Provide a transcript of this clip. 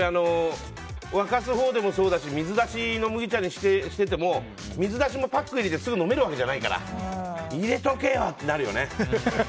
沸かすほうでもそうだし水出しの麦茶にしてても水出しもパックを入れてすぐに飲めるわけじゃないから入れとけよってなるよね。